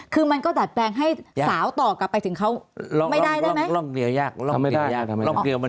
คือมันก็ดัดแปลงให้สาวต่อกลับไปถึงเขาไม่ได้ได้ไหม